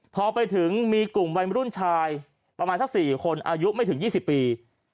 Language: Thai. พอไปถึงมีกลุ่มวัยรุ่นชายประมาณสัก๔คนอายุไม่ถึง๒๐ปี